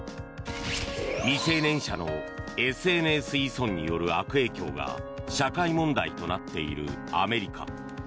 未成年者のＳＮＳ依存による悪影響が社会問題となっているアメリカ。